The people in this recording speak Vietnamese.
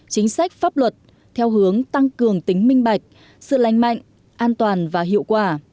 chính sách pháp luật theo hướng tăng cường tính minh bạch sự lành mạnh an toàn và hiệu quả